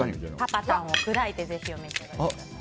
パパダムを砕いてぜひお召し上がりください。